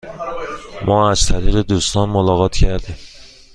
ما از طریق دوستان ملاقات کردیم.